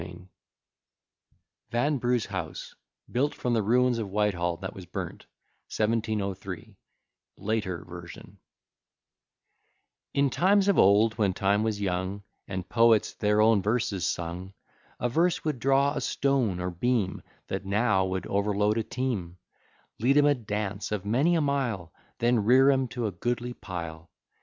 B._] VANBRUGH'S HOUSE, BUILT FROM THE RUINS OF WHITEHALL THAT WAS BURNT, 1703 In times of old, when Time was young, And poets their own verses sung, A verse would draw a stone or beam, That now would overload a team; Lead 'em a dance of many a mile, Then rear 'em to a goodly pile.